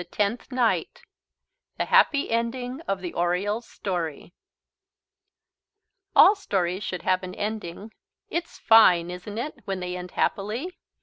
TENTH NIGHT THE HAPPY ENDING OF THE ORIOLE'S STORY All stories should have an ending. It's fine, isn't it, when they end happily?